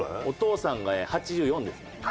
お義父さんが８４ですね。